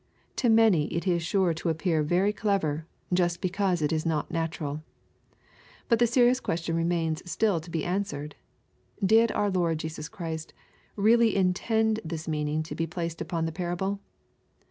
To many it is sure to appear very clever, just because it is not natural But the serious ques tion remains still to be answered: "Did our Lord Jesus Christ really intend this meaning to be placed upon the parable